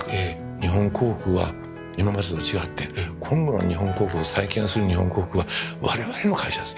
日本航空は今までと違って今度の日本航空再建する日本航空は我々の会社です。